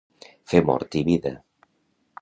Fer mort i vida.